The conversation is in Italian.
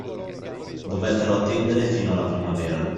Dovettero attendere fino alla primavera